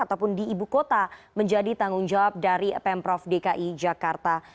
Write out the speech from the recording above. ataupun di ibu kota menjadi tanggung jawab dari pemprov dki jakarta